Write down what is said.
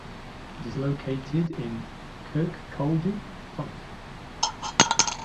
It is located in Kirkcaldy, Fife.